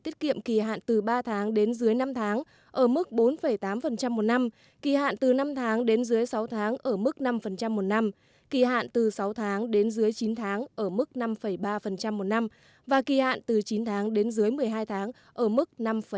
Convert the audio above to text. tiết kiệm kỳ hạn từ ba tháng đến dưới năm tháng ở mức bốn tám một năm kỳ hạn từ năm tháng đến dưới sáu tháng ở mức năm một năm kỳ hạn từ sáu tháng đến dưới chín tháng ở mức năm ba một năm và kỳ hạn từ chín tháng đến dưới một mươi hai tháng ở mức năm chín